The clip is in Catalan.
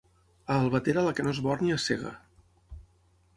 A Albatera la que no és bòrnia és cega.